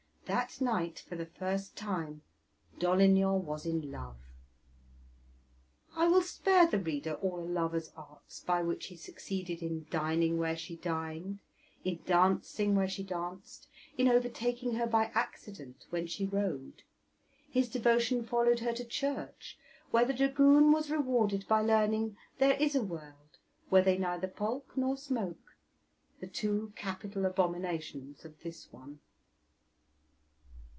That night for the first time Dolignan was in love. I will spare the reader all a lover's arts by which he succeeded in dining where she dined, in dancing where she danced, in overtaking her by accident when she rode. His devotion followed her to church, where the dragoon was rewarded by learning there is a world where they neither polk nor smoke, the two capital abominations of this one.